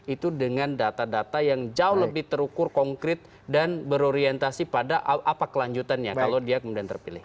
itu dengan data data yang jauh lebih terukur konkret dan berorientasi pada apa kelanjutannya kalau dia kemudian terpilih